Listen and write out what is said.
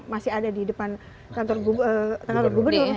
masih ada di depan kantor gubernur